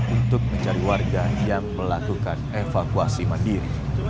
untuk mencari warga yang melakukan evakuasi mandiri